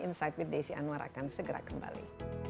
insight with desi anwar akan segera kembali